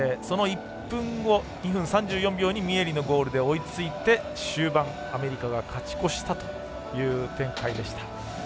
その１分後、２分３４秒にミエリのゴールで追いついて終盤、アメリカが勝ち越したという展開でした。